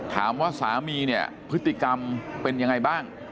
สามีเนี่ยพฤติกรรมเป็นยังไงบ้าง